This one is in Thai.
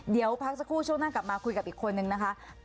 เดี๋ยวพักสักครู่ช่วงหน้ากลับมาคุยกับอีกคนนึงนะคะ